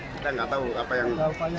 saya gak tau apa yang